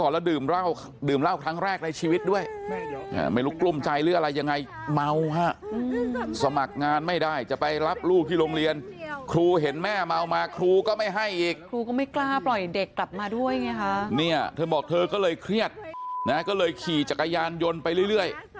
และก็เลยขี่จักรยานยนต์ไปเรื่อย